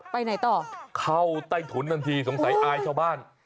ไปไหนต่อเข้าใต้ถุนทันทีสงสัยอายชาวบ้าน